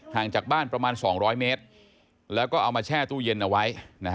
จากบ้านประมาณ๒๐๐เมตรแล้วก็เอามาแช่ตู้เย็นเอาไว้